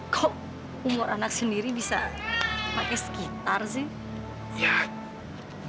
kok umur anak sendiri bisa pakai sekitar sih